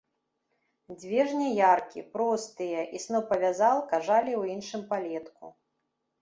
Дзве жняяркі, простыя, і снопавязалка жалі ў іншым палетку.